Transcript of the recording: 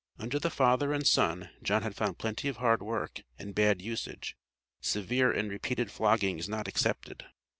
Under the father and son John had found plenty of hard work and bad usage, severe and repeated floggings not excepted.